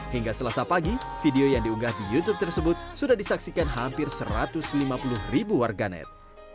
hingga selasa pagi video yang diunggah di youtube tersebut sudah disaksikan hampir satu ratus lima puluh ribu warganet